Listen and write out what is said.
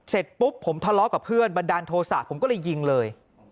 เสร็จปุ๊บผมทะเลาะกับเพื่อนบันดาลโทษะผมก็เลยยิงเลย